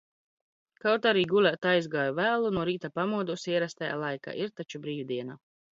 Kaut arī gulēt aizgāju vēlu, no rīta pamodos ierastajā laikā. Ir taču bīvdiena!